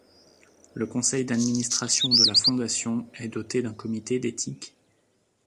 Le conseil d'administration de la fondation est dotée d'un comité d'éthique.